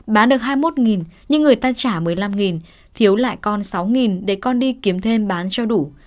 bán được hai mươi một nhưng người ta trả một mươi năm thiếu lại con sáu để con đi kiếm thêm bán cho đủ